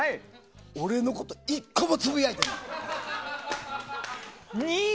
俺のこと１個もつぶやいてない。